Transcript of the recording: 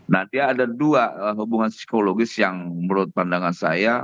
nanti ada dua hubungan psikologis yang menurut pandangan saya